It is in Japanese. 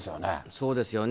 そうですよね。